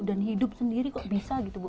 dan hidup sendiri kok bisa gitu bu